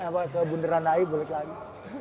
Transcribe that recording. eh ke bunda randai boleh lagi